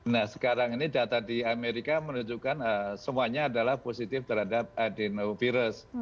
nah sekarang ini data di amerika menunjukkan semuanya adalah positif terhadap adenovirus